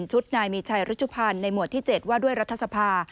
ชุดนายมีชัยรุชุพันธ์ในหมวดที่๗ว่าด้วยรัฐสภา